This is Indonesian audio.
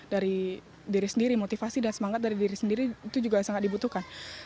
dari diri sendiri motivasi dan semangat dari diri sendiri itu juga sangat dibutuhkan